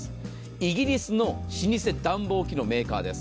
イギリスの老舗暖房機のメーカーです。